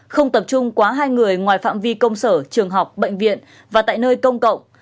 không tập trung quá hai người ngoài phạm vi công sở trường học bệnh viện và tại nơi công cộng